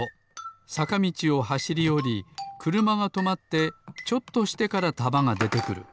さかみちをはしりおりくるまがとまってちょっとしてからたまがでてくる。